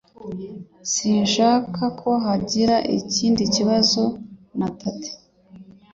Sinshaka ko hagira ikindi kibazo na Teta